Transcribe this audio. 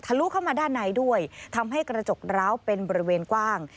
ลุเข้ามาด้านในด้วยทำให้กระจกร้าวเป็นบริเวณกว้าง